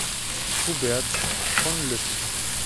Huberts von Lüttich.